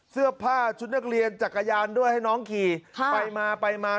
เสื้อผ้าชุดนักเรียนจักรยานด้วยให้น้องขี่ค่ะไปมาไปมา